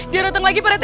dia datang lagi parete